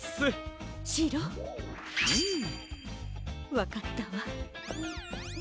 わかったわ。